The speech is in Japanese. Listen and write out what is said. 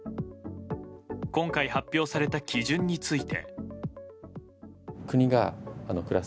今回発表された基準について。